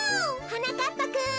・はなかっぱくん。